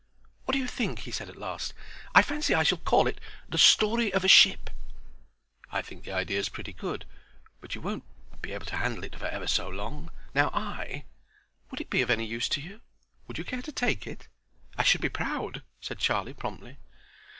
"What do you think?" he said, at last. "I fancy I shall call it 'The Story of a Ship.'" "I think the idea's pretty good; but you won't Be able to handle it for ever so long. Now I—" "Would it be of any use to you? Would you care to take it? I should be proud," said Charlie, promptly.